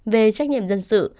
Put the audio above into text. về trách nhiệm dân sự